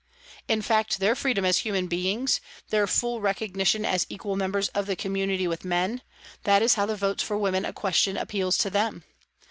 In fact, their freedom as human beings, their full recognition as equal members of the community with men that is how the Votes for Women question appeals to them.